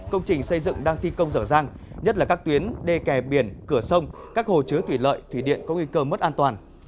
công trình xây dựng đang thi công rở rang nhất là các tuyến đê kè biển cửa sông các hồ chứa thủy lợi thủy điện có nguy cơ mất an toàn